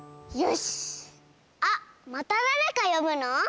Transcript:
あっまただれかよぶの？